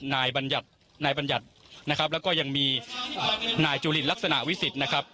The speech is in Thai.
นายบรรยัตนายบรรยัตนะครับแล้วก็ยังมีนายจุฬิลักษณะวิสิตนะครับ